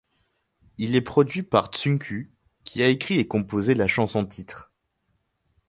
Il est produit par Tsunku, qui a écrit et composé la chanson-titre.